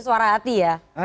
itu suara hati ya